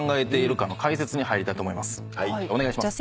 お願いします。